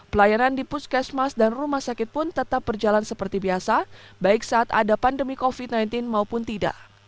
pelayanan di puskesmas dan rumah sakit pun tetap berjalan seperti biasa baik saat ada pandemi covid sembilan belas maupun tidak